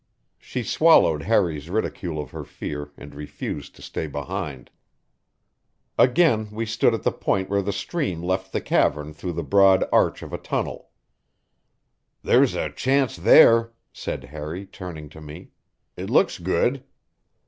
She swallowed Harry's ridicule of her fear and refused to stay behind. Again we stood at the point where the stream left the cavern through the broad arch of a tunnel. "There's a chance there," said Harry, turning to me. "It looks good."